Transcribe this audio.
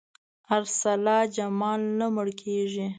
ارسلا جمال نه مړ کېږي.